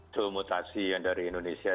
flu mutasi yang dari indonesia